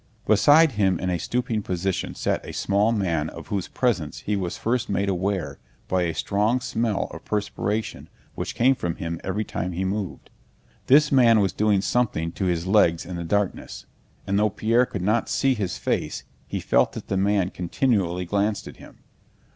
Beside him in a stooping position sat a small man of whose presence he was first made aware by a strong smell of perspiration which came from him every time he moved. This man was doing something to his legs in the darkness, and though Pierre could not see his face he felt that the man continually glanced at him.